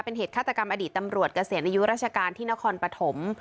เป็นเหตุฆาตกรรมอดีตตำรวจเกษียณอายุราชการที่นครปฐม